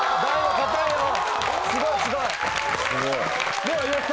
すごいすごい。